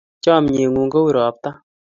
Chomye ng'ung' kou ropta.